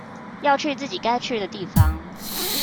要去自己該去的地方